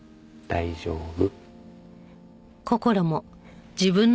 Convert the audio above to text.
大丈夫。